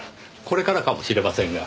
これからかもしれませんが。